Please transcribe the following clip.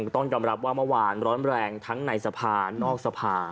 ต้องยอมรับว่าเมื่อวานร้อนแรงทั้งในสภานอกสภา